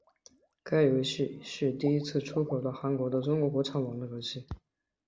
该游戏是第一款出口到韩国的中国国产网络游戏。